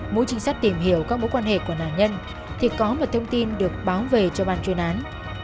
mỗi trích xuất tìm hiểu các mối quan hệ của nạn nhân thì có một thông tin được báo về cho bàn chuyên án